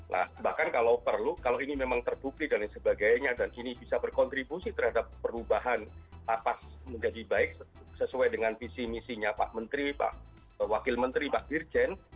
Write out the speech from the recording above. nah bahkan kalau perlu kalau ini memang terbukti dan lain sebagainya dan ini bisa berkontribusi terhadap perubahan lapas menjadi baik sesuai dengan visi misinya pak menteri pak wakil menteri pak dirjen